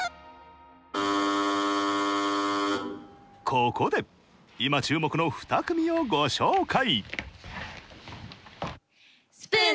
ここで今注目の２組をご紹介！